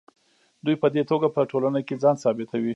دوی په دې توګه په ټولنه کې ځان ثابتوي.